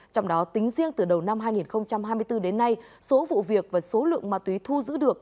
trong đó tính riêng từ đầu năm hai nghìn hai mươi bốn đến nay số vụ việc và số lượng ma túy thu giữ được